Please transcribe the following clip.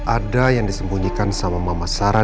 ada yang disembunyikan sama mama sarah